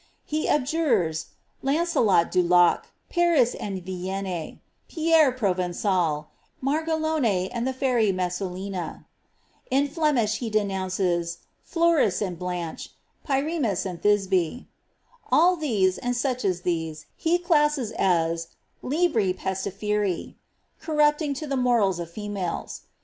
He abjures ^^ Lancelot du Lac,^ ^ Paris et Vienne,'' ^ Pierre ProTenfal," and ^ Margalone and the Fair}' Melusina." In Flemish, he denounces ^ Flo *ice and Blanche,^' and ^ Pyramns and Thisbe.'' All these, and such m these, he classes as libri pestiferi^* corrupting to the morals of temlei.